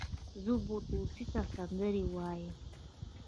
زه بو توسې ته سندرې ويايم.